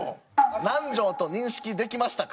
南條と認識できましたか？